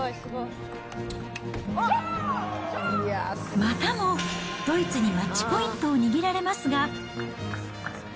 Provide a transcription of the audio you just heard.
またもドイツにマッチポイントを握られますが。